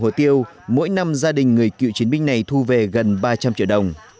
hồ tiêu mỗi năm gia đình người cựu chiến binh này thu về gần ba trăm linh triệu đồng